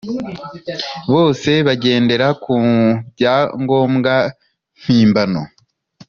bose bagendera ku byangombwa mpimbano